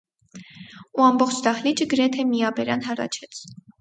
Ու ամբողջ դահլիճը գրեթե միաբերան հառաչեց: